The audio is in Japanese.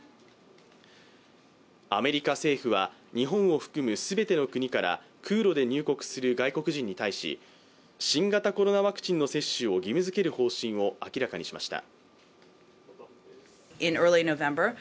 アメリカ政府は日本を含む全ての国から空路で入国する外国人に対し、新型コロナワクチンの接種を義務づける方針を明らかにしました。